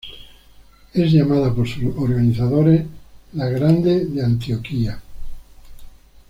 Es llamada por sus organizadores ""La Grande de Antioquia"".